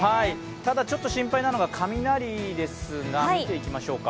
ただ、ちょっと心配なのが雷ですが、見ていきましょうか。